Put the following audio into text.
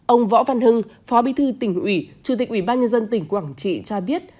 ông võ văn hưng phó bí thư tỉnh ủy chủ tịch ủy ban nhân dân tỉnh quảng trị cho biết